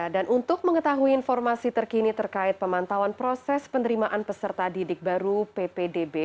dan untuk mengetahui informasi terkini terkait pemantauan proses penerimaan peserta didik baru ppdb